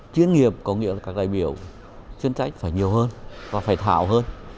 chuyên nghiệp có nghĩa là các đại biểu chuyên trách phải nhiều hơn và phải thảo hơn